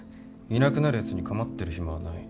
いなくなるやつに構ってる暇はない。